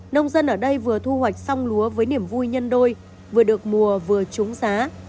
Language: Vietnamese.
nông dân ở đây vừa thu hoạch xong lúa với niềm vui nhân đôi vừa được mùa vừa trúng giá